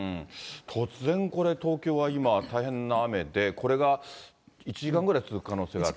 突然、これ、東京は今、大変な雨で、これが１時間ぐらい続く可能性があると。